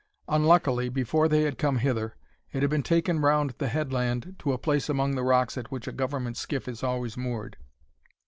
Unluckily, before they had come hither, it had been taken round the headland to a place among the rocks at which a government skiff is always moored.